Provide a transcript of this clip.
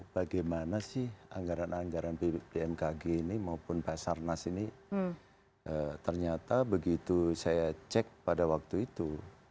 bagaimana sih anggaran anggaran bmkg ini maupun basarnas ini ternyata begitu saya cek pada waktu itu